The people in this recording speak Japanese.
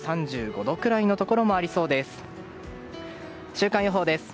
週間予報です。